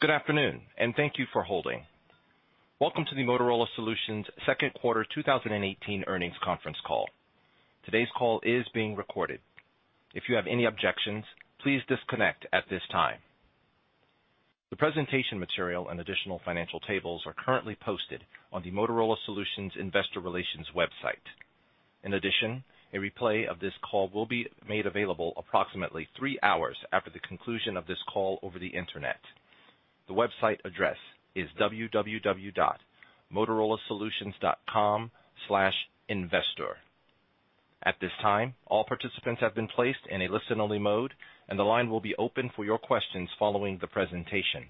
Good afternoon, and thank you for holding. Welcome to the Motorola Solutions Second Quarter 2018 Earnings Conference Call. Today's call is being recorded. If you have any objections, please disconnect at this time. The presentation material and additional financial tables are currently posted on the Motorola Solutions investor relations website. In addition, a replay of this call will be made available approximately three hours after the conclusion of this call over the internet. The website address is www.motorolasolutions.com/investor. At this time, all participants have been placed in a listen-only mode, and the line will be open for your questions following the presentation.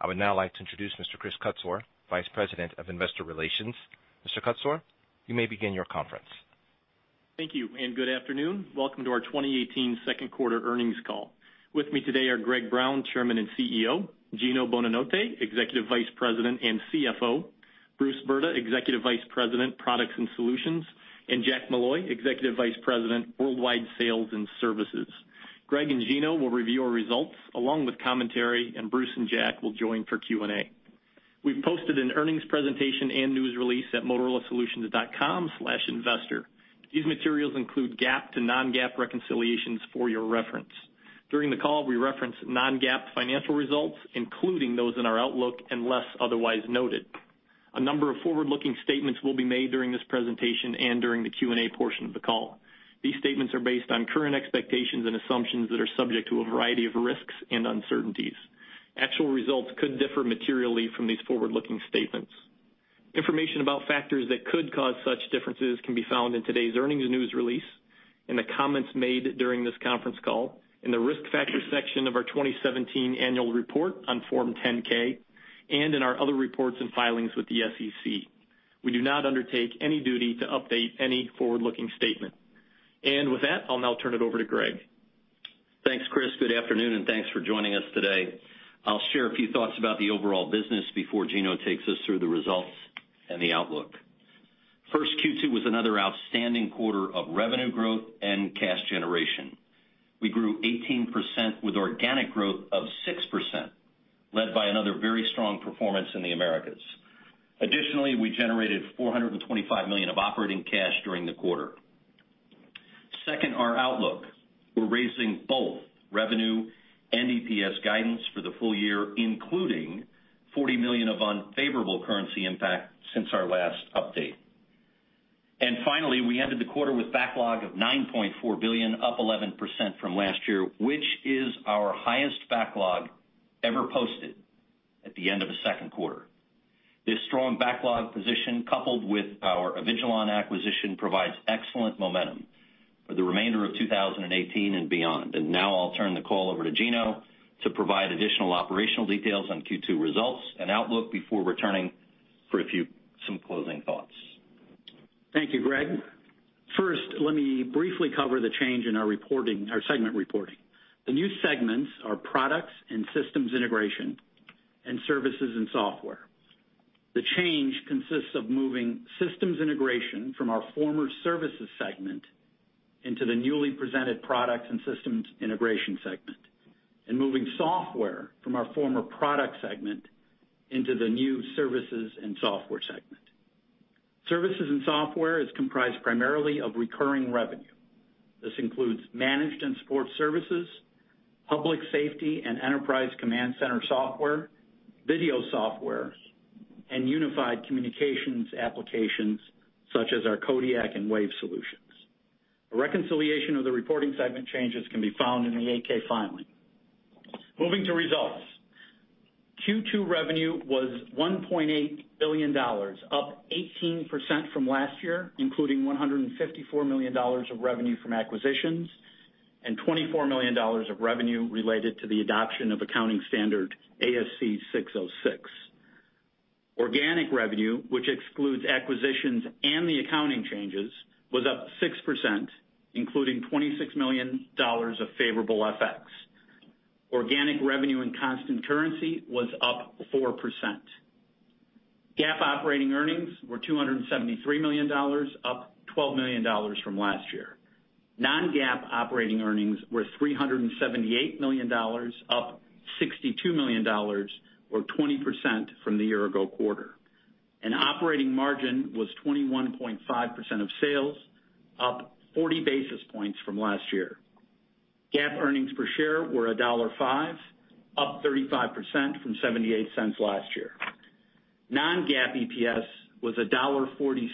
I would now like to introduce Mr. Chris Kutsor, Vice President of Investor Relations. Mr. Kutsor, you may begin your conference. Thank you, and good afternoon. Welcome to our 2018 second quarter earnings call. With me today are Greg Brown, Chairman and CEO, Gino Bonanotte, Executive Vice President and CFO, Bruce Brda, Executive Vice President, Products and Solutions, and Jack Molloy, Executive Vice President, Worldwide Sales and Services. Greg and Gino will review our results along with commentary, and Bruce and Jack will join for Q&A. We've posted an earnings presentation and news release at motorolasolutions.com/investor. These materials include GAAP to non-GAAP reconciliations for your reference. During the call, we reference non-GAAP financial results, including those in our outlook, unless otherwise noted. A number of forward-looking statements will be made during this presentation and during the Q&A portion of the call. These statements are based on current expectations and assumptions that are subject to a variety of risks and uncertainties. Actual results could differ materially from these forward-looking statements. Information about factors that could cause such differences can be found in today's earnings news release, in the comments made during this conference call, in the risk factors section of our 2017 annual report on Form 10-K, and in our other reports and filings with the SEC. We do not undertake any duty to update any forward-looking statement. With that, I'll now turn it over to Greg. Thanks, Chris. Good afternoon, and thanks for joining us today. I'll share a few thoughts about the overall business before Gino takes us through the results and the outlook. First, Q2 was another outstanding quarter of revenue growth and cash generation. We grew 18% with organic growth of 6%, led by another very strong performance in the Americas. Additionally, we generated $425 million of operating cash during the quarter. Second, our outlook. We're raising both revenue and EPS guidance for the full year, including $40 million of unfavorable currency impact since our last update. And finally, we ended the quarter with backlog of $9.4 billion, up 11% from last year, which is our highest backlog ever posted at the end of a second quarter. This strong backlog position, coupled with our Avigilon acquisition, provides excellent momentum for the remainder of 2018 and beyond. And now I'll turn the call over to Gino to provide additional operational details on Q2 results and outlook before returning for some closing thoughts. Thank you, Greg. First, let me briefly cover the change in our reporting, our segment reporting. The new segments are Products and Systems Integration and Services and Software. The change consists of moving Systems Integration from our former Services segment into the newly presented Products and Systems Integration segment, and moving Software from our former Product segment into the new Services and Software segment. Services and Software is comprised primarily of recurring revenue. This includes managed and support services, public safety and enterprise command center software, video software, and unified communications applications, such as our Kodiak and WAVE solutions. A reconciliation of the reporting segment changes can be found in the 8-K filing. Moving to results. Q2 revenue was $1.8 billion, up 18% from last year, including $154 million of revenue from acquisitions and $24 million of revenue related to the adoption of accounting standard ASC 606. Organic revenue, which excludes acquisitions and the accounting changes, was up 6%, including $26 million of favorable FX. Organic revenue and constant currency was up 4%. GAAP operating earnings were $273 million, up $12 million from last year. Non-GAAP operating earnings were $378 million, up $62 million or 20% from the year-ago quarter. Operating margin was 21.5% of sales, up 40 basis points from last year. GAAP earnings per share were $1.05, up 35% from $0.78 last year. Non-GAAP EPS was $1.46,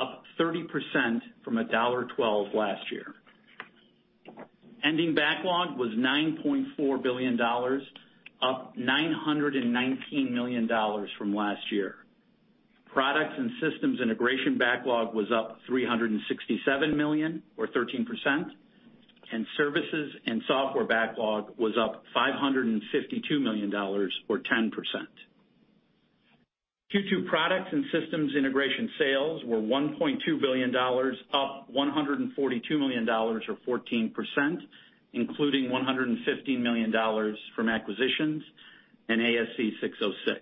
up 30% from $1.12 last year. Ending backlog was $9.4 billion, up $919 million from last year. Products and Systems Integration backlog was up $367 million, or 13%, and Services and Software backlog was up $552 million, or 10%. Q2 Products and Systems Integration sales were $1.2 billion, up $142 million or 14%, including $150 million from acquisitions and ASC 606.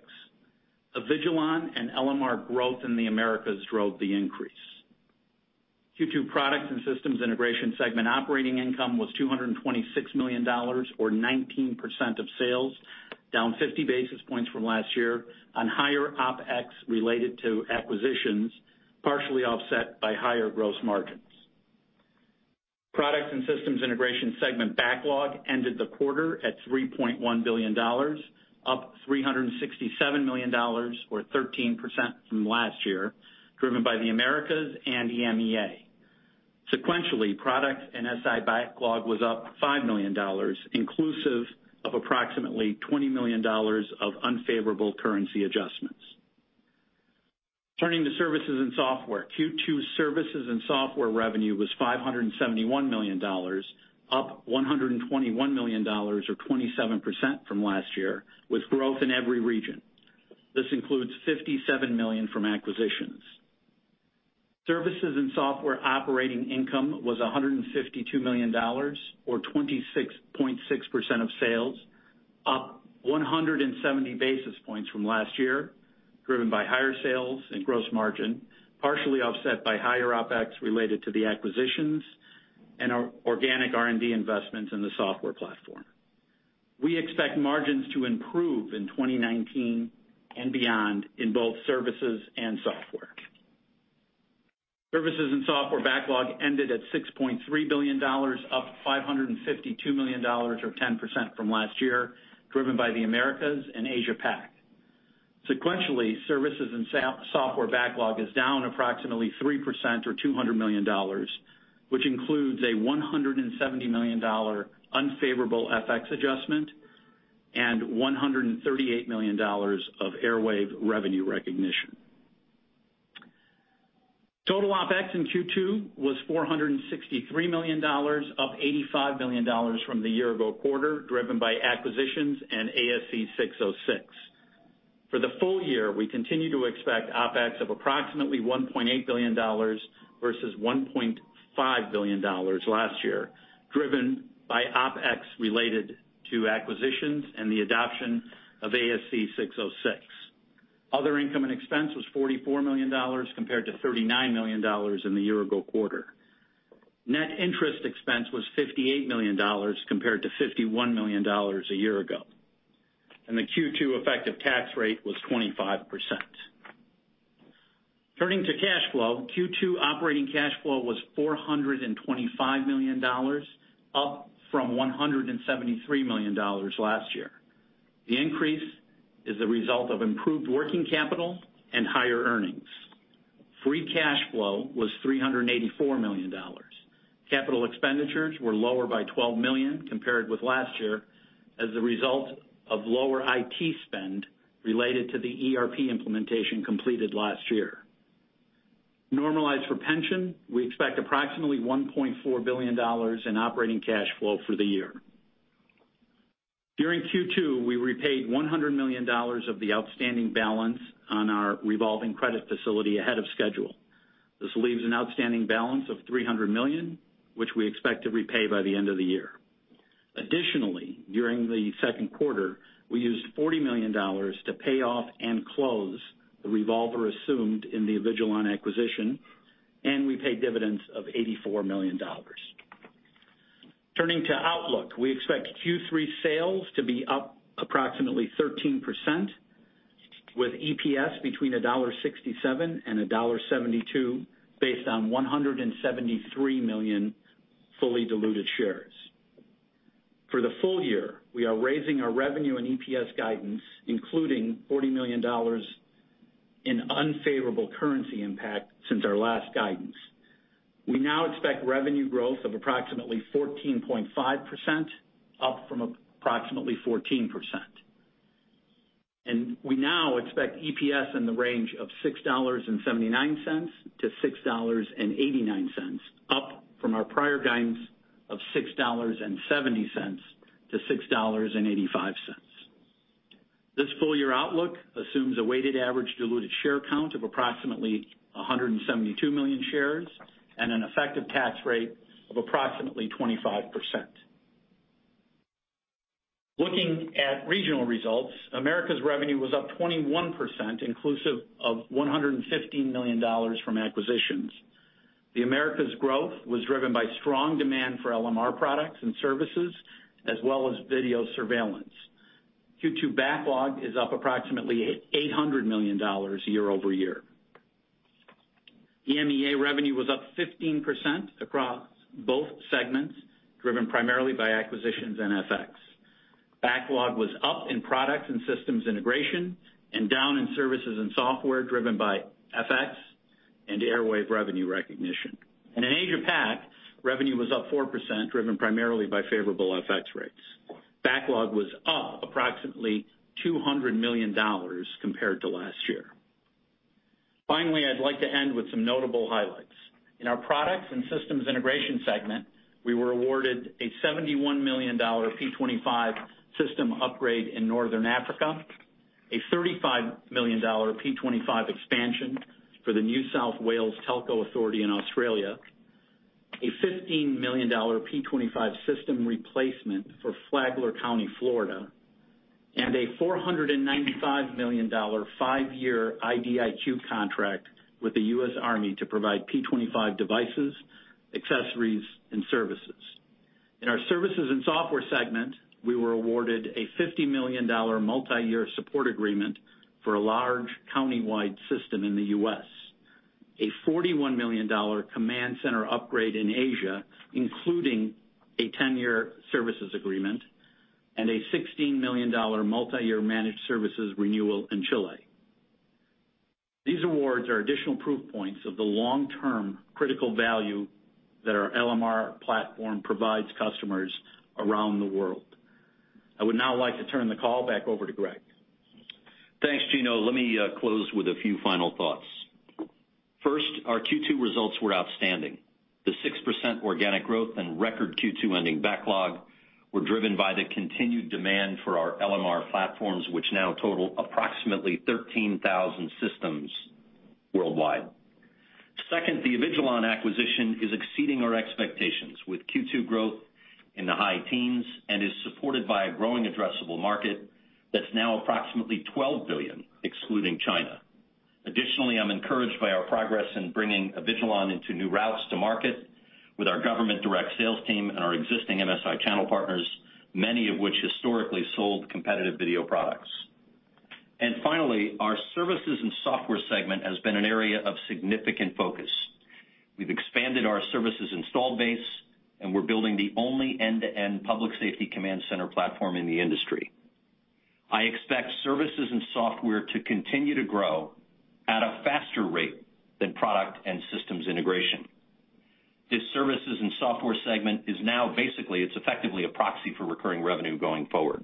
Avigilon and LMR growth in the Americas drove the increase. Q2 Products and Systems Integration segment operating income was $226 million, or 19% of sales, down 50 basis points from last year on higher OpEx related to acquisitions, partially offset by higher gross margins. Products and Systems Integration segment backlog ended the quarter at $3.1 billion, up $367 million or 13% from last year, driven by the Americas and EMEA. Sequentially, Product and SI backlog was up $5 million, inclusive of approximately $20 million of unfavorable currency adjustments. Turning to Services and Software. Q2 Services and Software revenue was $571 million, up $121 million or 27% from last year, with growth in every region. This includes $57 million from acquisitions. Services and Software operating income was $152 million, or 26.6% of sales, up 170 basis points from last year, driven by higher sales and gross margin, partially offset by higher OpEx related to the acquisitions and our organic R&D investments in the software platform. We expect margins to improve in 2019 and beyond in both Services and Software. Services and Software backlog ended at $6.3 billion, up $552 million or 10% from last year, driven by the Americas and Asia Pac. Sequentially, Services and Software backlog is down approximately 3% or $200 million, which includes a $170 million unfavorable FX adjustment and $138 million of Airwave revenue recognition. Total OpEx in Q2 was $463 million, up $85 million from the year ago quarter, driven by acquisitions and ASC 606. For the full year, we continue to expect OpEx of approximately $1.8 billion versus $1.5 billion last year, driven by OpEx related to acquisitions and the adoption of ASC 606. Other income and expense was $44 million, compared to $39 million in the year-ago quarter. Net interest expense was $58 million, compared to $51 million a year ago, and the Q2 effective tax rate was 25%. Turning to cash flow, Q2 operating cash flow was $425 million, up from $173 million last year. The increase is the result of improved working capital and higher earnings. Free cash flow was $384 million. Capital expenditures were lower by $12 million compared with last year as a result of lower IT spend related to the ERP implementation completed last year. Normalized for pension, we expect approximately $1.4 billion in operating cash flow for the year. During Q2, we repaid $100 million of the outstanding balance on our revolving credit facility ahead of schedule. This leaves an outstanding balance of $300 million, which we expect to repay by the end of the year. Additionally, during the second quarter, we used $40 million to pay off and close the revolver assumed in the Avigilon acquisition, and we paid dividends of $84 million. Turning to outlook, we expect Q3 sales to be up approximately 13%, with EPS between $1.67 and $1.72, based on 173 million fully diluted shares. For the full year, we are raising our revenue and EPS guidance, including $40 million in unfavorable currency impact since our last guidance. We now expect revenue growth of approximately 14.5%, up from approximately 14%. We now expect EPS in the range of $6.79-$6.89, up from our prior guidance of $6.70-$6.85. This full year outlook assumes a weighted average diluted share count of approximately 172 million shares and an effective tax rate of approximately 25%. Looking at regional results, Americas revenue was up 21%, inclusive of $150 million from acquisitions. The Americas growth was driven by strong demand for LMR products and services, as well as video surveillance. Q2 backlog is up approximately $800 million year-over-year. EMEA revenue was up 15% across both segments, driven primarily by acquisitions and FX. Backlog was up in Product and Systems Integration and down in Services and Software, driven by FX and Airwave revenue recognition. In Asia Pac, revenue was up 4%, driven primarily by favorable FX rates. Backlog was up approximately $200 million compared to last year. Finally, I'd like to end with some notable highlights. In our Products and Systems Integration segment, we were awarded a $71 million P25 system upgrade in Northern Africa, a $35 million P25 expansion for the New South Wales Telco Authority in Australia, a $15 million P25 system replacement for Flagler County, Florida. and a $495 million 5-year IDIQ contract with the U.S. Army to provide P25 devices, accessories, and services. In our Services and Software segment, we were awarded a $50 million multiyear support agreement for a large countywide system in the U.S., a $41 million command center upgrade in Asia, including a 10-year services agreement, and a $16 million multiyear managed services renewal in Chile. These awards are additional proof points of the long-term critical value that our LMR platform provides customers around the world. I would now like to turn the call back over to Greg. Thanks, Gino. Let me close with a few final thoughts. First, our Q2 results were outstanding. The 6% organic growth and record Q2 ending backlog were driven by the continued demand for our LMR platforms, which now total approximately 13,000 systems worldwide. Second, the Avigilon acquisition is exceeding our expectations, with Q2 growth in the high teens and is supported by a growing addressable market that's now approximately $12 billion, excluding China. Additionally, I'm encouraged by our progress in bringing Avigilon into new routes to market with our government direct sales team and our existing MSI channel partners, many of which historically sold competitive video products. And finally, our Services and Software segment has been an area of significant focus. We've expanded our services installed base, and we're building the only end-to-end public safety command center platform in the industry. I expect Services and Software to continue to grow at a faster rate than Product and Systems Integration. This Services and Software segment is now basically, it's effectively a proxy for recurring revenue going forward.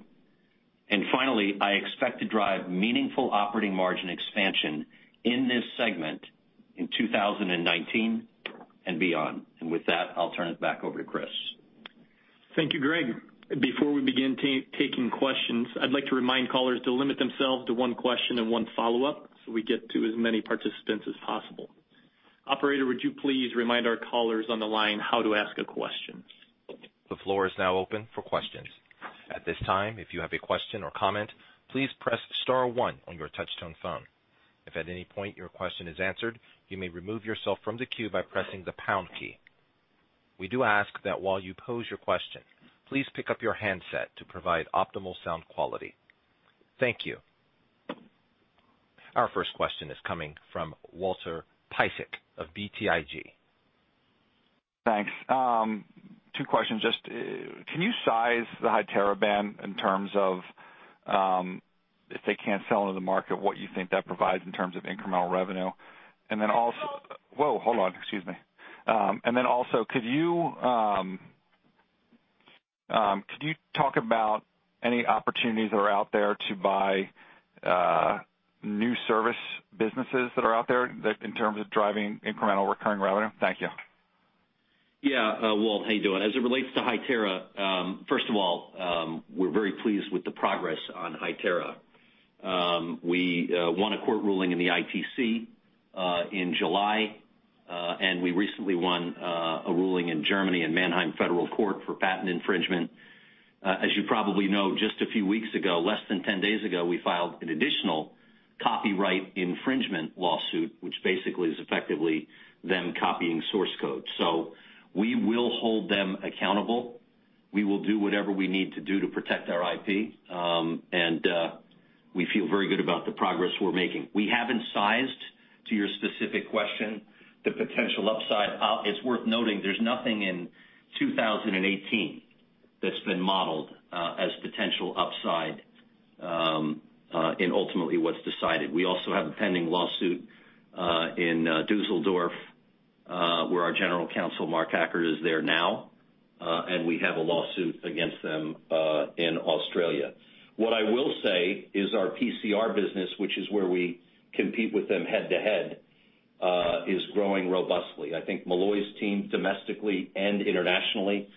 And finally, I expect to drive meaningful operating margin expansion in this segment in 2019 and beyond. And with that, I'll turn it back over to Chris. Thank you, Greg. Before we begin taking questions, I'd like to remind callers to limit themselves to one question and one follow-up, so we get to as many participants as possible. Operator, would you please remind our callers on the line how to ask a question? The floor is now open for questions. At this time, if you have a question or comment, please press star one on your touchtone phone. If at any point your question is answered, you may remove yourself from the queue by pressing the pound key. We do ask that while you pose your question, please pick up your handset to provide optimal sound quality. Thank you. Our first question is coming from Walter Piecyk of BTIG. Thanks. Two questions. Just, can you size the Hytera ban in terms of, if they can't sell into the market, what you think that provides in terms of incremental revenue? And then also, could you talk about any opportunities that are out there to buy, new service businesses that are out there that in terms of driving incremental recurring revenue? Thank you. Yeah, Walt, how you doing? As it relates to Hytera, first of all, we're very pleased with the progress on Hytera. We won a court ruling in the ITC, in July, and we recently won a ruling in Germany, in Mannheim Federal Court for patent infringement. As you probably know, just a few weeks ago, less than 10 days ago, we filed an additional copyright infringement lawsuit, which basically is effectively them copying source code. So we will hold them accountable. We will do whatever we need to do to protect our IP, and we feel very good about the progress we're making. We haven't sized, to your specific question, the potential upside. It's worth noting there's nothing in 2018 that's been modeled as potential upside, in ultimately what's decided. We also have a pending lawsuit in Düsseldorf where our General Counsel, Mark Hacker, is there now, and we have a lawsuit against them in Australia. What I will say is our PCR business, which is where we compete with them head-to-head, is growing robustly. I think Molloy's team, domestically and internationally,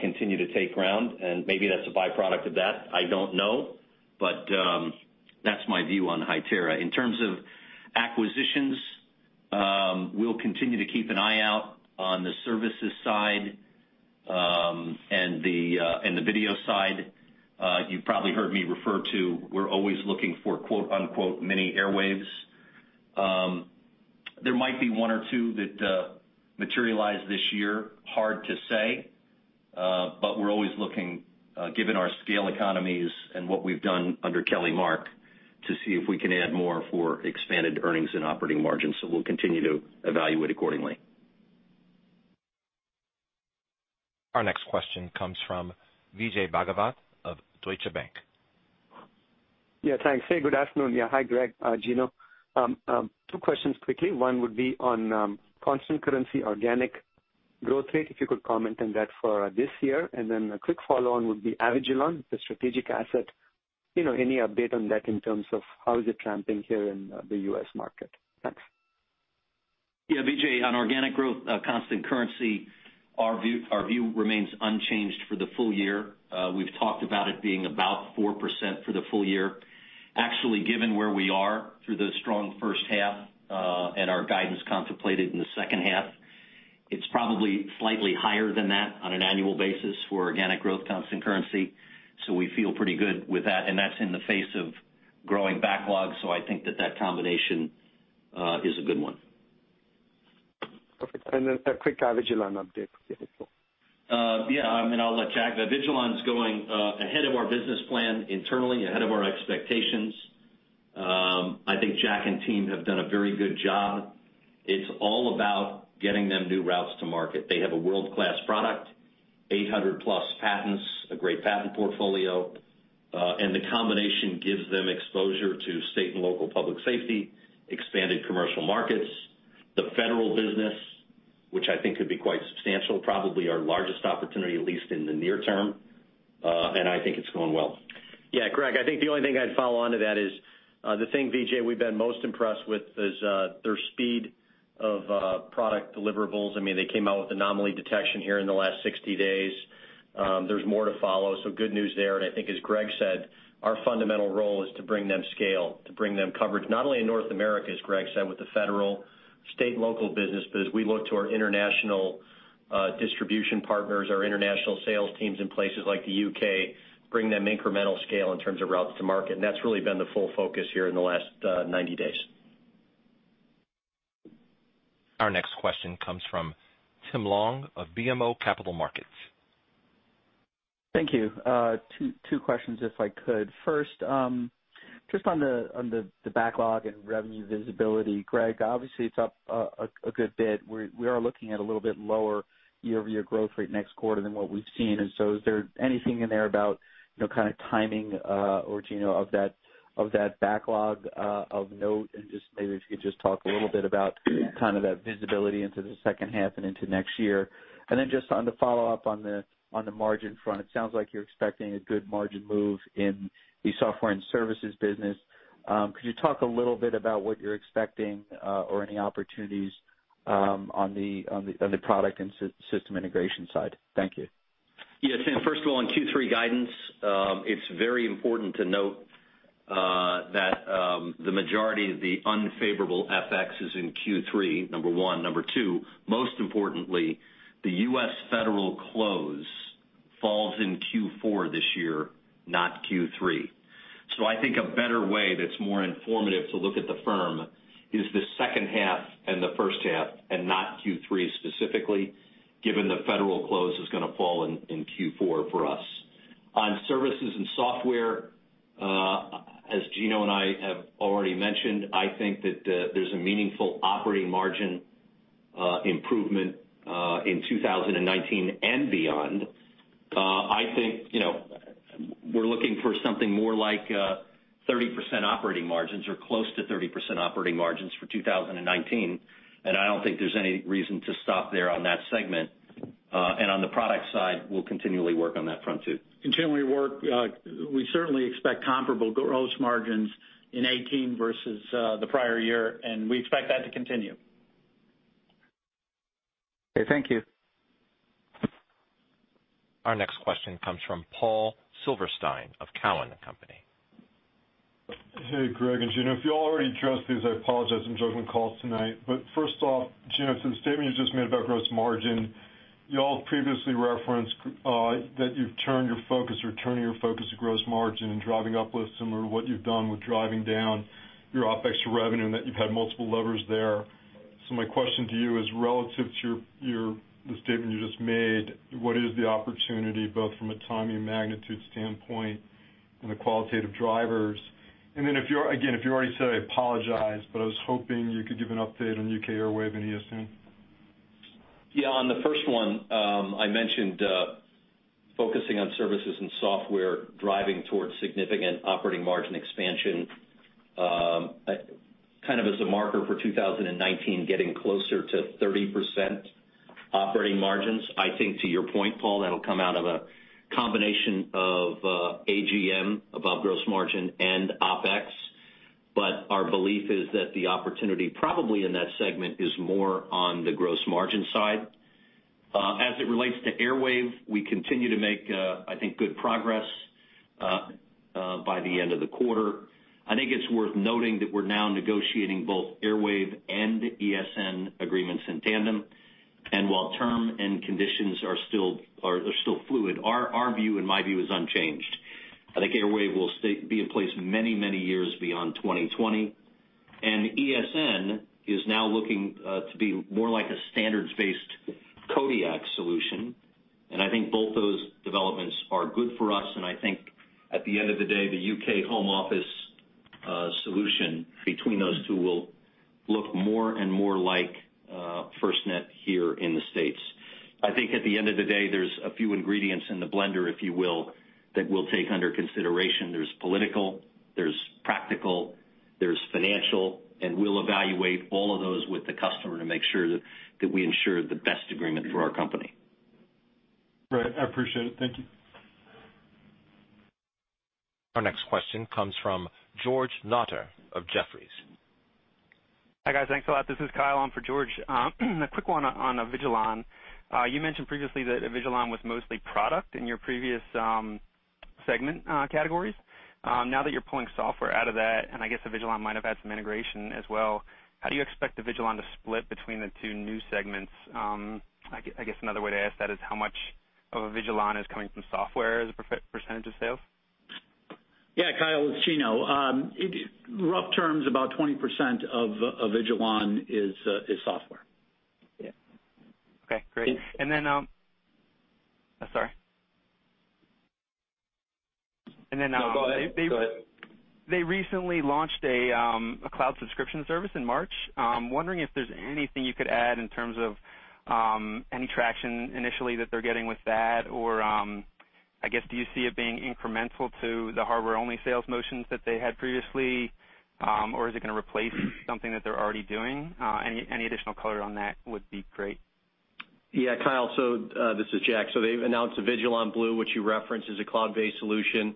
continue to take ground, and maybe that's a byproduct of that. I don't know, but that's my view on Hytera. In terms of acquisitions, we'll continue to keep an eye out on the services side, and the video side. You've probably heard me refer to, we're always looking for, quote, unquote, "mini Airwaves." There might be one or two that materialize this year. Hard to say, but we're always looking, given our scale economies and what we've done under Kelly Mark, to see if we can add more for expanded earnings and operating margins. We'll continue to evaluate accordingly. Our next question comes from Vijay Bhagavath of Deutsche Bank. Yeah, thanks. Hey, good afternoon. Yeah, hi, Greg, Gino. Two questions quickly. One would be on constant currency, organic growth rate, if you could comment on that for this year. And then a quick follow-on would be Avigilon, the strategic asset. You know, any update on that in terms of how is it tracking here in the U.S. market? Thanks. Yeah, Vijay, on organic growth, constant currency, our view, our view remains unchanged for the full year. We've talked about it being about 4% for the full year. Actually, given where we are through the strong first half, and our guidance contemplated in the second half. It's probably slightly higher than that on an annual basis for organic growth constant currency, so we feel pretty good with that, and that's in the face of growing backlogs. So I think that that combination is a good one. Perfect. And then a quick Avigilon update, please. Yeah, and I'll let Jack-- Avigilon is going ahead of our business plan internally, ahead of our expectations. I think Jack and team have done a very good job. It's all about getting them new routes to market. They have a world-class product, 800+ patents, a great patent portfolio, and the combination gives them exposure to state and local public safety, expanded commercial markets, the federal business, which I think could be quite substantial, probably our largest opportunity, at least in the near term, and I think it's going well. Yeah, Greg, I think the only thing I'd follow on to that is, the thing, Vijay, we've been most impressed with is, their speed of product deliverables. I mean, they came out with anomaly detection here in the last 60 days. There's more to follow, so good news there. And I think as Greg said, our fundamental role is to bring them scale, to bring them coverage, not only in North America, as Greg said, with the federal, state, and local business, but as we look to our international distribution partners, our international sales teams in places like the U.K., bring them incremental scale in terms of routes to market. And that's really been the full focus here in the last 90 days. Our next question comes from Tim Long of BMO Capital Markets. Thank you. Two questions, if I could. First, just on the backlog and revenue visibility. Greg, obviously, it's up a good bit. We are looking at a little bit lower year-over-year growth rate next quarter than what we've seen. And so is there anything in there about, you know, kind of timing, or Gino, of that backlog of note? And just maybe if you could just talk a little bit about kind of that visibility into the second half and into next year. And then just on the follow-up on the margin front, it sounds like you're expecting a good margin move in the Software and Services business. Could you talk a little bit about what you're expecting, or any opportunities, on the Product and System Integration side? Thank you. Yeah, Tim, first of all, on Q3 guidance, it's very important to note that the majority of the unfavorable FX is in Q3, number one. Number two, most importantly, the U.S. Federal close falls in Q4 this year, not Q3. So I think a better way that's more informative to look at the firm is the second half and the first half, and not Q3 specifically, given the federal close is gonna fall in Q4 for us. On Services and Software, as Gino and I have already mentioned, I think that there's a meaningful operating margin improvement in 2019 and beyond. I think, you know, we're looking for something more like 30% operating margins or close to 30% operating margins for 2019, and I don't think there's any reason to stop there on that segment. And on the Product side, we'll continually work on that front, too. Continually work, we certainly expect comparable gross margins in 2018 versus the prior year, and we expect that to continue. Okay, thank you. Our next question comes from Paul Silverstein of Cowen and Company. Hey, Greg and Gino. If you all already addressed this, I apologize. I'm jumping calls tonight. But first off, Gino, to the statement you just made about gross margin, you all previously referenced that you've turned your focus or turning your focus to gross margin and driving up with similar to what you've done with driving down your OpEx to revenue, and that you've had multiple levers there. So my question to you is, relative to your, your, the statement you just made, what is the opportunity, both from a timing and magnitude standpoint and the qualitative drivers? And then if you're, again, if you already said, I apologize, but I was hoping you could give an update on U.K. Airwave and ESN. Yeah, on the first one, I mentioned focusing on Services and Software, driving towards significant operating margin expansion, kind of as a marker for 2019, getting closer to 30% operating margins. I think to your point, Paul, that'll come out of a combination of above gross margin and OpEx. But our belief is that the opportunity probably in that segment is more on the gross margin side. As it relates to Airwave, we continue to make, I think, good progress by the end of the quarter. I think it's worth noting that we're now negotiating both Airwave and ESN agreements in tandem. And while terms and conditions are still fluid, our view and my view is unchanged. I think Airwave will be in place many, many years beyond 2020, and ESN is now looking to be more like a standards-based Kodiak solution. And I think both those developments are good for us, and I think at the end of the day, the U.K. Home Office solution between those two will look more and more like FirstNet here in the States. I think at the end of the day, there's a few ingredients in the blender, if you will, that we'll take under consideration. There's political, there's practical, there's financial, and we'll evaluate all of those with the customer to make sure that we ensure the best agreement for our company. Great. I appreciate it. Thank you. Our next question comes from George Notter of Jefferies. Hi, guys. Thanks a lot. This is Kyle. I'm for George. A quick one on Avigilon. You mentioned previously that Avigilon was mostly Product in your previous, segment, categories. Now that you're pulling software out of that, and I guess Avigilon might have had some integration as well, how do you expect Avigilon to split between the two new segments? I guess another way to ask that is how much of Avigilon is coming from software as a percentage of sales? Yeah, Kyle, it's Gino. In rough terms, about 20% of Avigilon is software. Yeah. Okay, great. And then. Sorry. And then, No, go ahead. Go ahead. They recently launched a cloud subscription service in March. I'm wondering if there's anything you could add in terms of any traction initially that they're getting with that? Or, I guess, do you see it being incremental to the hardware-only sales motions that they had previously, or is it gonna replace something that they're already doing? Any additional color on that would be great. Yeah, Kyle. So, this is Jack. So they've announced Avigilon Blue, which you referenced, is a cloud-based solution.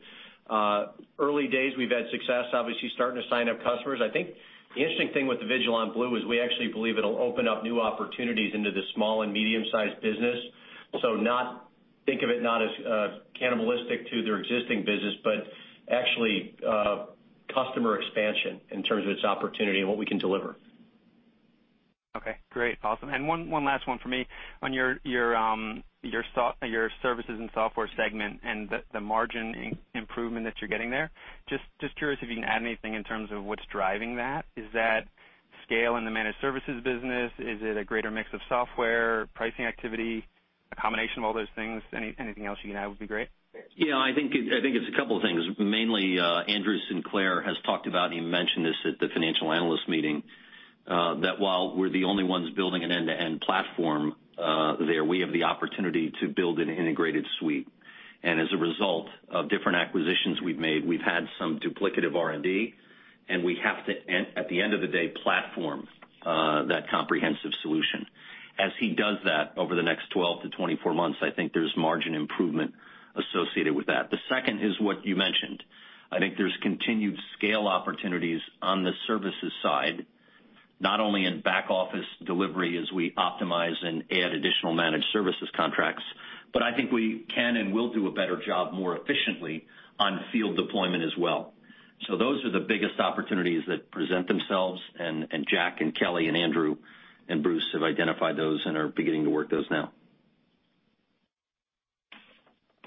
Early days, we've had success, obviously, starting to sign up customers. I think the interesting thing with Avigilon Blue is we actually believe it'll open up new opportunities into the small and medium-sized business. So, not. Think of it not as cannibalistic to their existing business, but actually, customer expansion in terms of its opportunity and what we can deliver. Okay, great. Awesome. And one last one for me. On your Services and Software segment and the margin improvement that you're getting there, just curious if you can add anything in terms of what's driving that. Is that scale in the managed services business? Is it a greater mix of software, pricing activity, a combination of all those things? Anything else you can add would be great. Yeah, I think it, I think it's a couple of things. Mainly, Andrew Sinclair has talked about, and he mentioned this at the financial analyst meeting, that while we're the only ones building an end-to-end platform, there, we have the opportunity to build an integrated suite. And as a result of different acquisitions we've made, we've had some duplicative R&D, and we have to, at the end of the day, platform, that comprehensive solution. As he does that over the next 12 to 24 months, I think there's margin improvement associated with that. The second is what you mentioned. I think there's continued scale opportunities on the services side, not only in back office delivery as we optimize and add additional managed services contracts, but I think we can and will do a better job more efficiently on field deployment as well. So those are the biggest opportunities that present themselves, and Jack and Kelly and Andrew and Bruce have identified those and are beginning to work those now.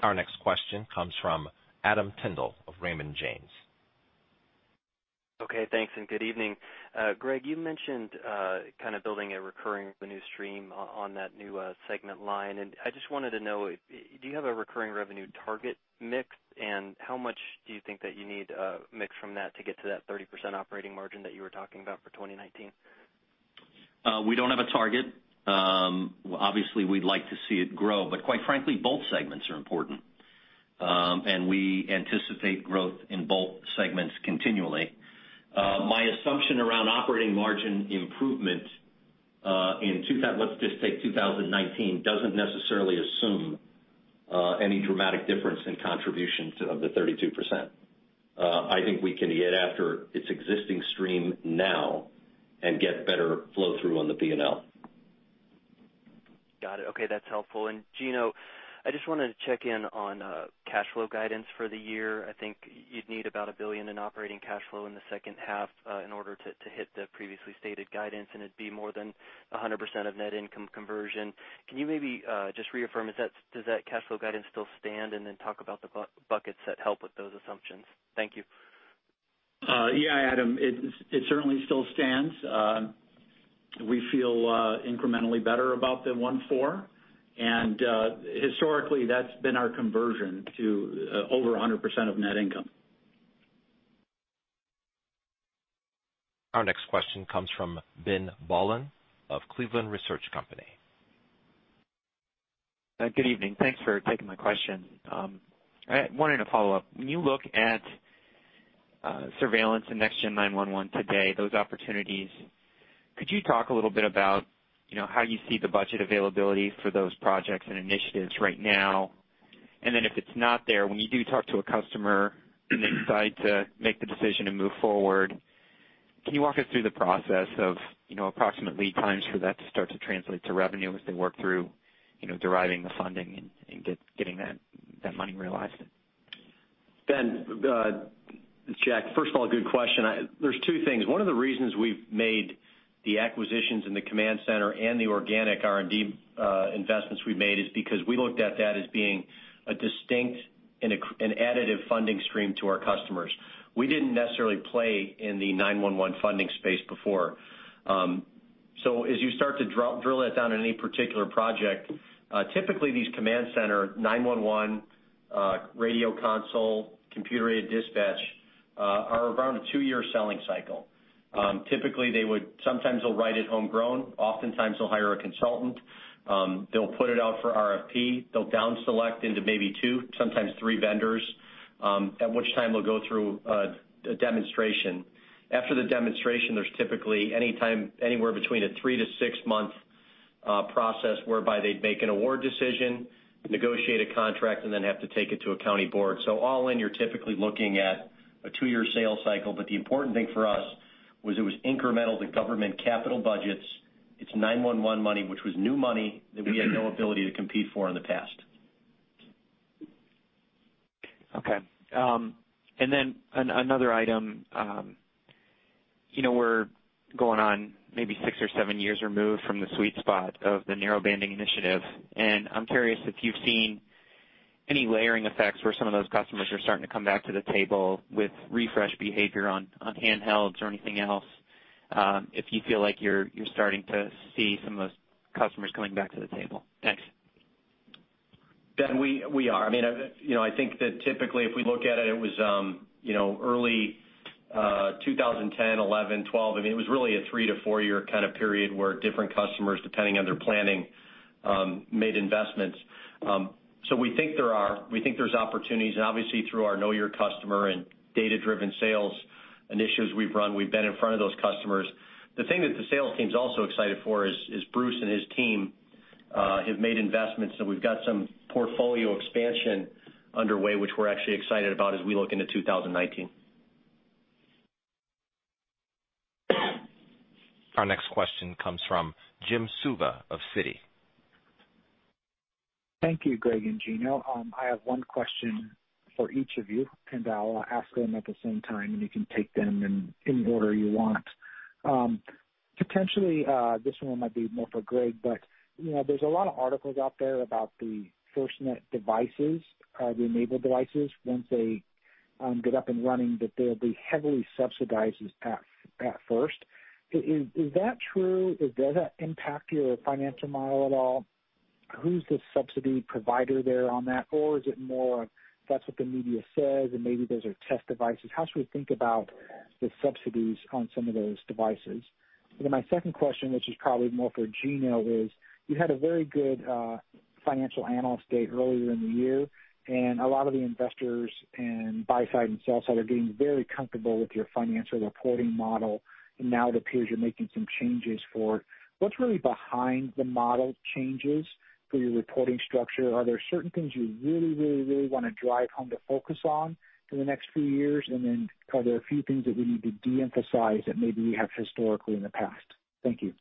Our next question comes from Adam Tindle of Raymond James. Okay, thanks, and good evening. Greg, you mentioned kind of building a recurring revenue stream on that new segment line, and I just wanted to know, do you have a recurring revenue target mix? And how much do you think that you need mix from that to get to that 30% operating margin that you were talking about for 2019? We don't have a target. Obviously, we'd like to see it grow, but quite frankly, both segments are important. We anticipate growth in both segments continually. My assumption around operating margin improvement in, let's just take 2019, doesn't necessarily assume any dramatic difference in contributions of the 32%. I think we can get after its existing stream now and get better flow through on the P&L. Got it. Okay, that's helpful. And Gino, I just wanted to check in on cash flow guidance for the year. I think you'd need about $1 billion in operating cash flow in the second half, in order to hit the previously stated guidance, and it'd be more than 100% of net income conversion. Can you maybe just reaffirm, does that cash flow guidance still stand? And then talk about the buckets that help with those assumptions. Thank you. Yeah, Adam, it certainly still stands. We feel incrementally better about the $1.4 billion, and historically, that's been our conversion to over 100% of net income. Our next question comes from Ben Bollin of Cleveland Research Company. Good evening. Thanks for taking my question. I wanted to follow up. When you look at, surveillance and NextGen 9-1-1 today, those opportunities, could you talk a little bit about, you know, how you see the budget availability for those projects and initiatives right now? And then if it's not there, when you do talk to a customer, and they decide to make the decision to move forward, can you walk us through the process of, you know, approximate lead times for that to start to translate to revenue as they work through, you know, deriving the funding and getting that money realized? Ben, it's Jack. First of all, good question. There's two things. One of the reasons we've made the acquisitions in the command center and the organic R&D investments we've made is because we looked at that as being a distinct and equal and additive funding stream to our customers. We didn't necessarily play in the 9-1-1 funding space before. So as you start to drill that down in any particular project, typically these command center, 9-1-1, radio console, computer-aided dispatch are around a two-year selling cycle. Typically, they would, sometimes they'll write it homegrown. Oftentimes, they'll hire a consultant. They'll put it out for RFP. They'll down select into maybe two, sometimes three vendors, at which time they'll go through a demonstration. After the demonstration, there's typically anytime anywhere between a three to six month process whereby they'd make an award decision, negotiate a contract, and then have to take it to a county board. So all in, you're typically looking at a two-year sales cycle, but the important thing for us was it was incremental to government capital budgets. It's 9-1-1 money, which was new money that we had no ability to compete for in the past. Okay. And then another item, you know, we're going on maybe six or seven years removed from the sweet spot of the narrow-banding initiative, and I'm curious if you've seen any layering effects where some of those customers are starting to come back to the table with refresh behavior on handhelds or anything else, if you feel like you're starting to see some of those customers coming back to the table? Thanks. Ben, we are. I mean, you know, I think that typically, if we look at it, it was early 2010, 2011, 2012. I mean, it was really a three- to four-year kind of period where different customers, depending on their planning, made investments. So we think there are opportunities, and obviously, through our Know Your Customer and data-driven sales initiatives we've run, we've been in front of those customers. The thing that the sales team's also excited for is Bruce and his team have made investments, so we've got some portfolio expansion underway, which we're actually excited about as we look into 2019. Our next question comes from Jim Suva of Citi. Thank you, Greg and Gino. I have one question for each of you, and I'll ask them at the same time, and you can take them in the order you want. Potentially, this one might be more for Greg, but, you know, there's a lot of articles out there about the FirstNet devices, the enabled devices, once they get up and running, that they'll be heavily subsidized at first. Is that true? Does that impact your financial model at all? Who's the subsidy provider there on that? Or is it more of that's what the media says, and maybe those are test devices? How should we think about the subsidies on some of those devices? And then my second question, which is probably more for Gino, is: You had a very good, financial analyst day earlier in the year, and a lot of the investors in buy side and sell side are getting very comfortable with your financial reporting model, and now it appears you're making some changes for it. What's really behind the model changes for your reporting structure? Are there certain things you really, really, really want to drive home to focus on for the next few years? And then are there a few things that we need to de-emphasize that maybe we have historically in the past? Thank you.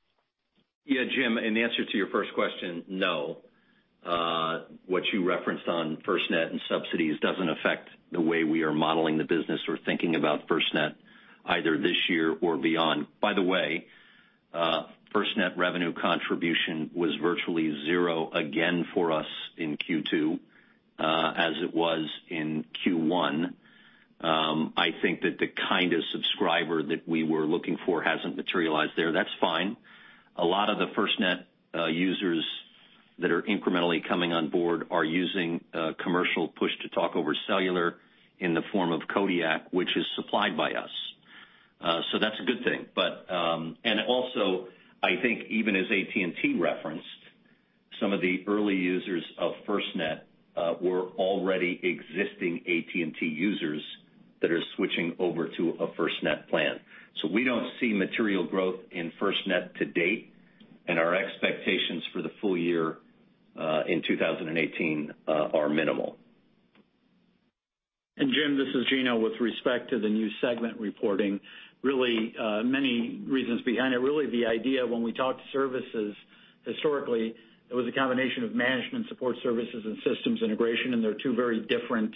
Yeah, Jim, in answer to your first question, no. What you referenced on FirstNet and subsidies doesn't affect the way we are modeling the business or thinking about FirstNet either this year or beyond. By the way, FirstNet revenue contribution was virtually zero again for us in Q2, as it was in Q1. I think that the kind of subscriber that we were looking for hasn't materialized there. That's fine. A lot of the FirstNet users that are incrementally coming on board are using commercial push to talk over cellular in the form of Kodiak, which is supplied by us. So that's a good thing. But also, I think even as AT&T referenced, some of the early users of FirstNet were already existing AT&T users that are switching over to a FirstNet plan. So we don't see material growth in FirstNet to date, and our expectations for the full year, in 2018, are minimal. And Jim, this is Gino. With respect to the new segment reporting, really, many reasons behind it. Really, the idea when we talk services, historically, it was a combination of Managed and Support Services and Systems Integration, and they're two very different,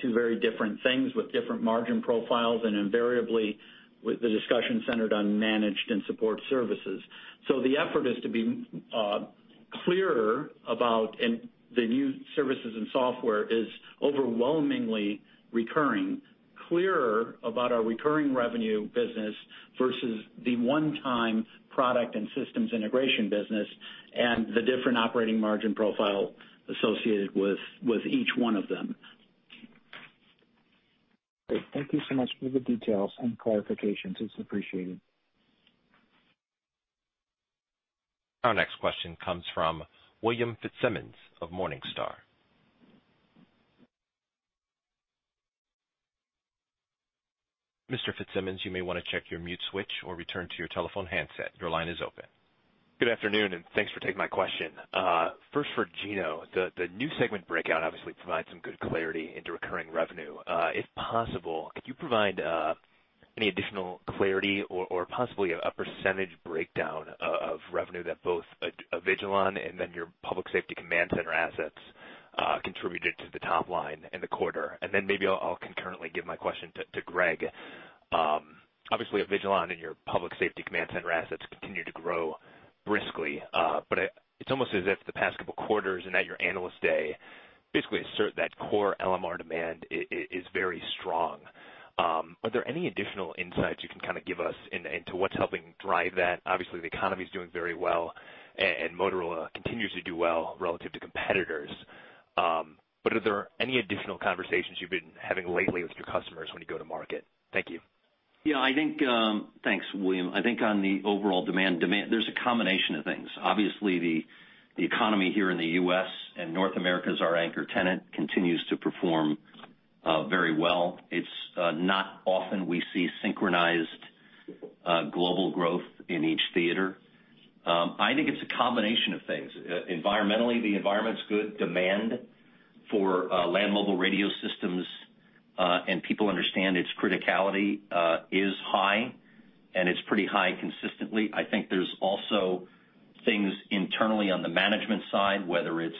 two very different things with different margin profiles, and invariably, with the discussion centered on Managed and Support Services. So the effort is to be, clearer about, and the new Services and Software is overwhelmingly recurring, clearer about our recurring revenue business versus the one-time Product and Systems Integration business and the different operating margin profile associated with, with each one of them. Great. Thank you so much for the details and clarifications. It's appreciated. Our next question comes from William Fitzsimmons of Morningstar. Mr. Fitzsimmons, you may want to check your mute switch or return to your telephone handset. Your line is open. Good afternoon, and thanks for taking my question. First for Gino. The new segment breakout obviously provides some good clarity into recurring revenue. If possible, could you provide any additional clarity or possibly a percentage breakdown of revenue that both Avigilon and then your public safety command Center assets contributed to the top line in the quarter? And then maybe I'll concurrently give my question to Greg. Obviously, Avigilon and your public safety command Center assets continue to grow briskly, but it's almost as if the past couple quarters and at your Analyst Day basically assert that core LMR demand is very strong. Are there any additional insights you can kind of give us into what's helping drive that? Obviously, the economy is doing very well, and Motorola continues to do well relative to competitors. But are there any additional conversations you've been having lately with your customers when you go to market? Thank you. Yeah, I think. Thanks, William. I think on the overall demand, demand, there's a combination of things. Obviously, the economy here in the U.S. and North America as our anchor tenant continues to perform very well. It's not often we see synchronized global growth in each theater. I think it's a combination of things. Environmentally, the environment's good. Demand for land mobile radio systems and people understand its criticality is high, and it's pretty high consistently. I think there's also things internally on the management side, whether it's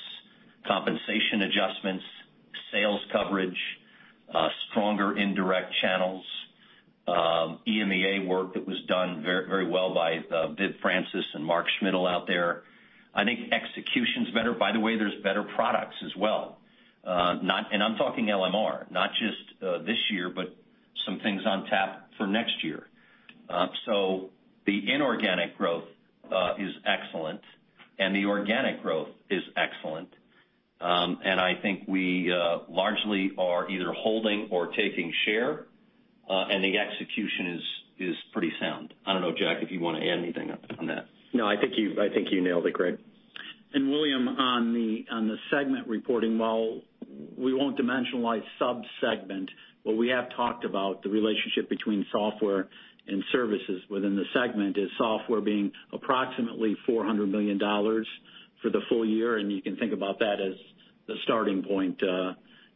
compensation adjustments, sales coverage, stronger indirect channels, EMEA work that was done very, very well by Viv Francis and Mark Schmidl out there. I think execution's better. By the way, there's better products as well. And I'm talking LMR, not just this year, but some things on tap for next year. So the inorganic growth is excellent, and the organic growth is excellent. And I think we largely are either holding or taking share, and the execution is pretty sound. I don't know, Jack, if you want to add anything on that? No, I think you, I think you nailed it, Greg. And William, on the segment reporting, while we won't dimensionalize sub-segment, what we have talked about, the relationship between Software and Services within the segment, is Software being approximately $400 million for the full year, and you can think about that as the starting point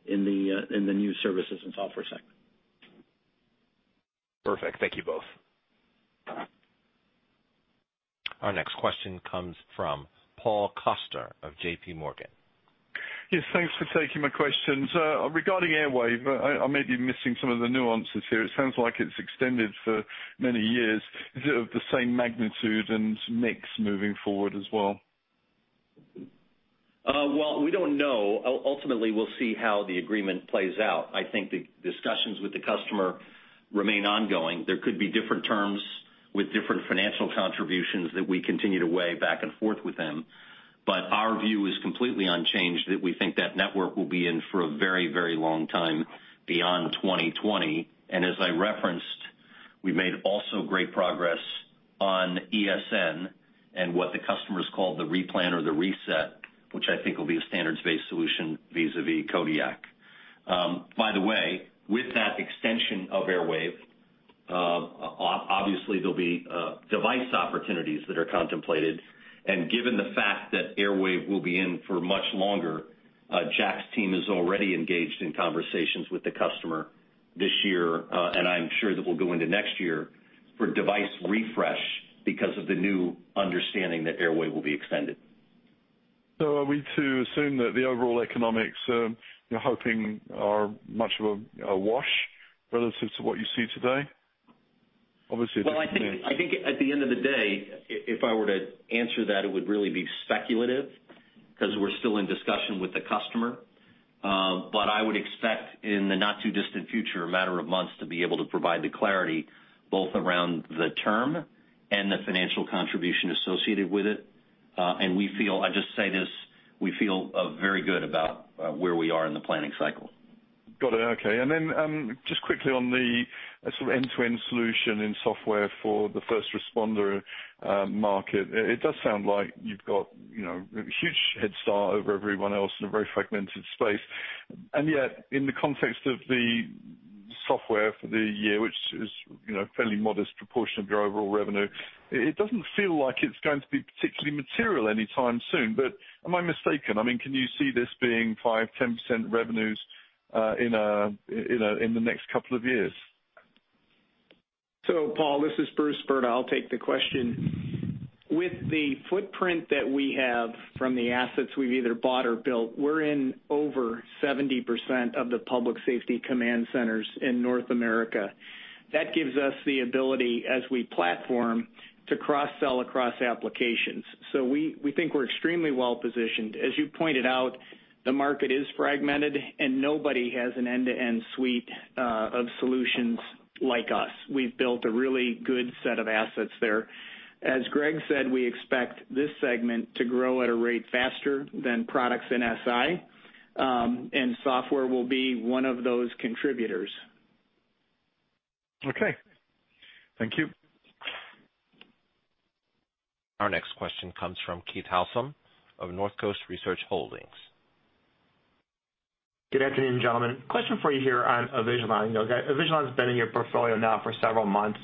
in the new Services and Software segment. Perfect. Thank you both. Our next question comes from Paul Coster of JP Morgan. Yes, thanks for taking my questions. Regarding Airwave, I may be missing some of the nuances here. It sounds like it's extended for many years. Is it of the same magnitude and mix moving forward as well? Well, we don't know. Ultimately, we'll see how the agreement plays out. I think the discussions with the customer remain ongoing. There could be different terms with different financial contributions that we continue to weigh back and forth with them. But our view is completely unchanged, that we think that network will be in for a very, very long time beyond 2020. And as I referenced, we made also great progress on ESN and what the customers call the replan or the reset, which I think will be a standards-based solution vis-à-vis Kodiak. By the way, with that extension of Airwave, obviously, there'll be device opportunities that are contemplated, and given the fact that Airwave will be in for much longer, Jack's team is already engaged in conversations with the customer this year, and I'm sure that we'll go into next year, for device refresh because of the new understanding that Airwave will be extended. So are we to assume that the overall economics, you're hoping are much of a wash relative to what you see today? Obviously- Well, I think at the end of the day, if I were to answer that, it would really be speculative because we're still in discussion with the customer. But I would expect in the not too distant future, a matter of months, to be able to provide the clarity, both around the term and the financial contribution associated with it. And we feel, I'll just say this, we feel very good about where we are in the planning cycle. Got it. Okay. And then, just quickly on the sort of end-to-end solution in software for the first responder market, it does sound like you've got, you know, a huge head start over everyone else in a very fragmented space. And yet, in the context of the Software for the year, which is, you know, a fairly modest proportion of your overall revenue, it doesn't feel like it's going to be particularly material anytime soon, but am I mistaken? I mean, can you see this being 5%-10% revenues in the next couple of years? So Paul, this is Bruce Brda. I'll take the question. With the footprint that we have from the assets we've either bought or built, we're in over 70% of the public safety command centers in North America. That gives us the ability, as we platform, to cross-sell across applications. So we, we think we're extremely well positioned. As you pointed out, the market is fragmented, and nobody has an end-to-end suite of solutions like us. We've built a really good set of assets there. As Greg said, we expect this segment to grow at a rate faster than Products and SI, and Software will be one of those contributors. Okay. Thank you. Our next question comes from Keith Housum of North Coast Research Holdings. Good afternoon, gentlemen. Question for you here on Avigilon. You know, Avigilon has been in your portfolio now for several months,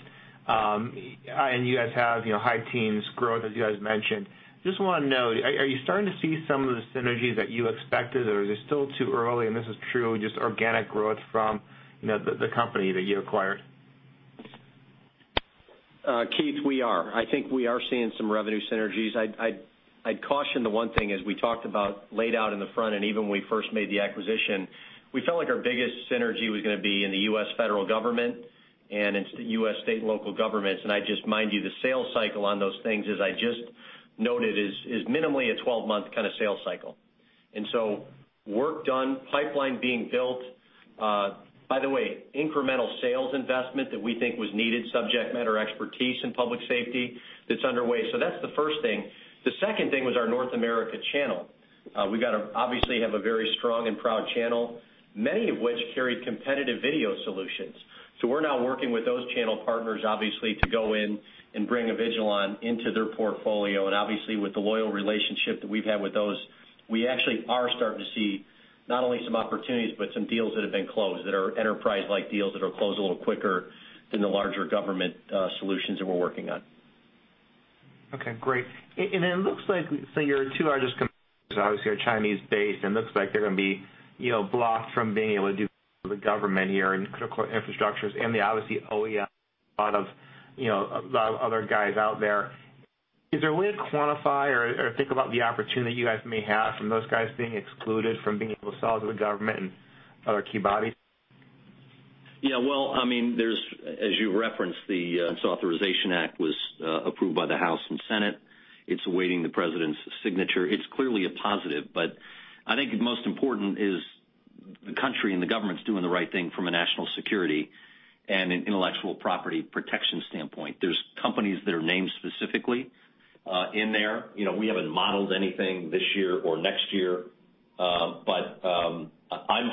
and you guys have, you know, high teens growth, as you guys mentioned. Just want to know, are you starting to see some of the synergies that you expected, or is it still too early, and this is true, just organic growth from, you know, the company that you acquired? Keith, we are. I think we are seeing some revenue synergies. I'd caution the one thing, as we talked about, laid out in the front, and even when we first made the acquisition, we felt like our biggest synergy was going to be in the U.S. federal government, and it's the U.S. state and local governments. And I'd just mind you, the sales cycle on those things, as I just noted, is minimally a 12-month kind of sales cycle. And so work done, pipeline being built, by the way, incremental sales investment that we think was needed, subject matter expertise in public safety, that's underway. So that's the first thing. The second thing was our North America channel. We've got to obviously have a very strong and proud channel, many of which carry competitive video solutions. So we're now working with those channel partners, obviously, to go in and bring Avigilon into their portfolio. And obviously, with the loyal relationship that we've had with those, we actually are starting to see not only some opportunities, but some deals that have been closed, that are enterprise-like deals that are closed a little quicker than the larger government, solutions that we're working on. Okay, great. And it looks like so your two largest companies are obviously Chinese-based, and looks like they're gonna be, you know, blocked from being able to do the government here and critical infrastructures, and the obviously OEM, a lot of, you know, a lot of other guys out there. Is there a way to quantify or think about the opportunity you guys may have from those guys being excluded from being able to sell to the government and other key bodies? Yeah, well, I mean, there's, as you referenced, the authorization act was approved by the House and Senate. It's awaiting the president's signature. It's clearly a positive, but I think most important is the country and the government's doing the right thing from a national security and an intellectual property protection standpoint. There's companies that are named specifically in there. You know, we haven't modeled anything this year or next year, but I'm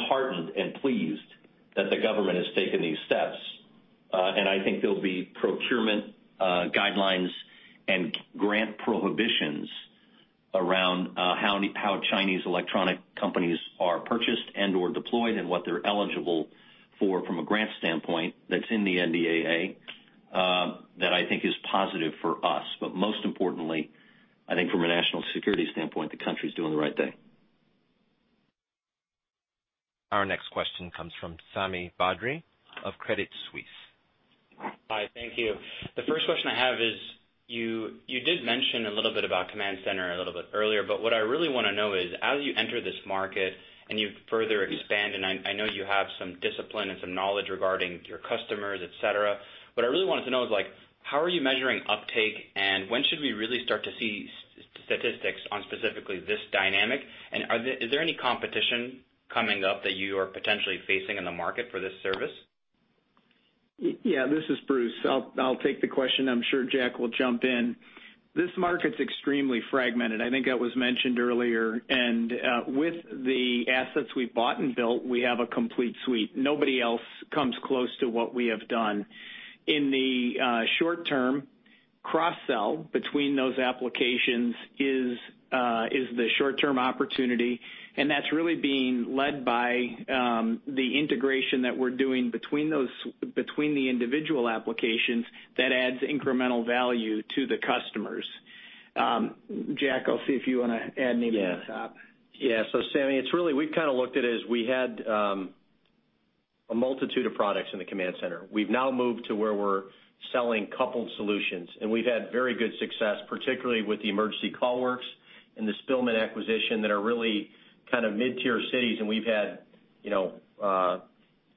heartened and pleased that the government has taken these steps. And I think there'll be procurement guidelines and grant prohibitions around how Chinese electronic companies are purchased and/or deployed, and what they're eligible for from a grant standpoint, that's in the NDAA, that I think is positive for us. But most importantly, I think from a national security standpoint, the country's doing the right thing. Our next question comes from Sami Badri of Credit Suisse. Hi, thank you. The first question I have is, you did mention a little bit about command center a little bit earlier, but what I really want to know is, as you enter this market and you further expand, and I know you have some discipline and some knowledge regarding your customers, et cetera. What I really wanted to know is like, how are you measuring uptake, and when should we really start to see statistics on specifically this dynamic? And is there any competition coming up that you are potentially facing in the market for this service? Yeah, this is Bruce. I'll take the question. I'm sure Jack will jump in. This market's extremely fragmented, I think that was mentioned earlier, and with the assets we've bought and built, we have a complete suite. Nobody else comes close to what we have done. In the short term, cross-sell between those applications is the short-term opportunity, and that's really being led by the integration that we're doing between those, between the individual applications that adds incremental value to the customers. Jack, I'll see if you wanna add anything on top. Yeah. Yeah, so Sami, it's really, we've kind of looked at it as we had a multitude of products in the command center. We've now moved to where we're selling coupled solutions, and we've had very good success, particularly with the Emergency CallWorks and the Spillman acquisition that are really kind of mid-tier cities. And we've had, you know,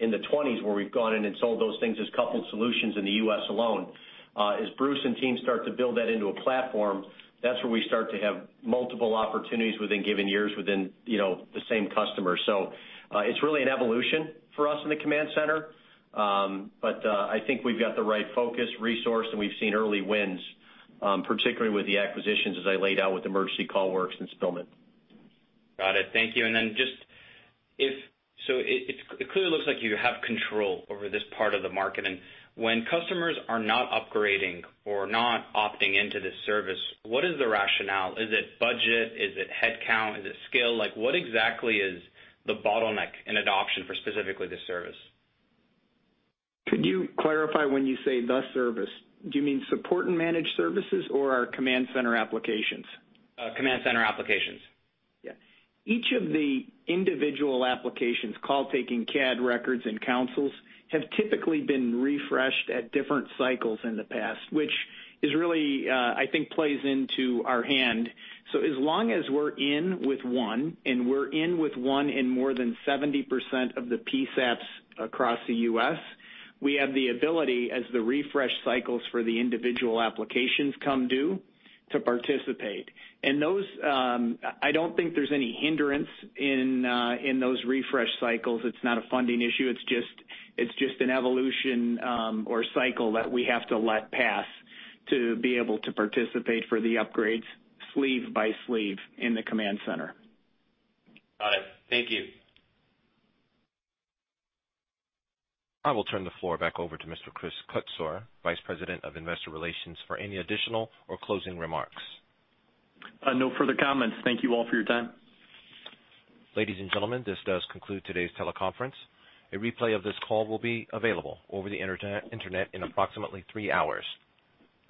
in the 20s where we've gone in and sold those things as coupled solutions in the U.S. alone. As Bruce and team start to build that into a platform, that's where we start to have multiple opportunities within given years, within, you know, the same customer. So, it's really an evolution for us in the command center. I think we've got the right focus, resource, and we've seen early wins, particularly with the acquisitions as I laid out with Emergency CallWorks and Spillman. Got it. Thank you. And then just if. So it, it clearly looks like you have control over this part of the market, and when customers are not upgrading or not opting into this service, what is the rationale? Is it budget? Is it headcount? Is it scale? Like, what exactly is the bottleneck in adoption for specifically this service? Could you clarify when you say, "The service," do you mean Support and Managed Services or our command center applications? Command center applications. Yeah. Each of the individual applications, call taking, CAD records, and consoles, have typically been refreshed at different cycles in the past, which is really, I think plays into our hand. So as long as we're in with one, and we're in with one in more than 70% of the PSAPs across the U.S., we have the ability, as the refresh cycles for the individual applications come due, to participate. And those, I don't think there's any hindrance in, in those refresh cycles. It's not a funding issue, it's just, it's just an evolution, or cycle that we have to let pass to be able to participate for the upgrades, sleeve by sleeve in the command center. Got it. Thank you. I will turn the floor back over to Mr. Chris Kutsor, Vice President of Investor Relations, for any additional or closing remarks. No further comments. Thank you all for your time. Ladies and gentlemen, this does conclude today's teleconference. A replay of this call will be available over the internet in approximately three hours.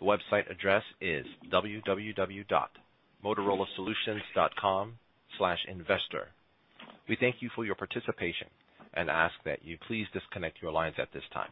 The website address is www.motorolasolutions.com/investor. We thank you for your participation and ask that you please disconnect your lines at this time.